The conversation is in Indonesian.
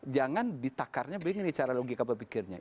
jangan ditakarnya begini cara logika berpikirnya